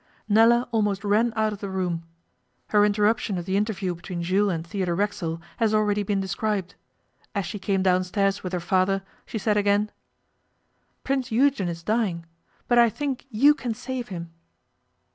Nella almost ran out of the room. Her interruption of the interview between Jules and Theodore Racksole has already been described. As she came downstairs with her father she said again, 'Prince Eugen is dying but I think you can save him.